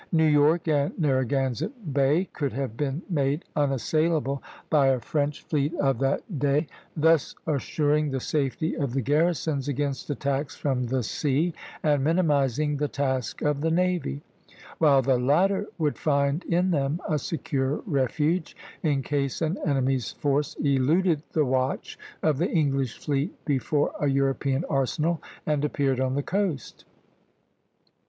New York and Narragansett Bay could have been made unassailable by a French fleet of that day, thus assuring the safety of the garrisons against attacks from the sea and minimizing the task of the navy; while the latter would find in them a secure refuge, in case an enemy's force eluded the watch of the English fleet before a European arsenal and appeared on the coast.